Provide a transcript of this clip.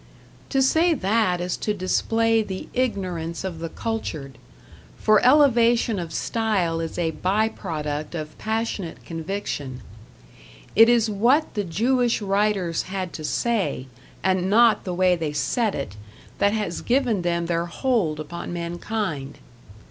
To say that is to display the ignorance of the cultured; for elevation of style is a by product of passionate conviction; it is what the Jewish writers had to say, and not the way they said it, that has given them their hold upon mankind.